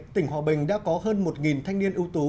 tỉnh hòa bình đã có hơn một thanh niên ưu tú